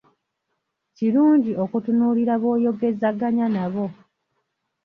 Kirungi okutunuulira b'oyogezaganya nabo.